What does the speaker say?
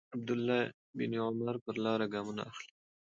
عبدالله بن عمر پر لاره ګامونه اخلي.